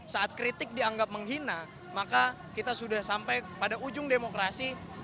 saat kritik dianggap menghina maka kita sudah sampai pada ujung demokrasi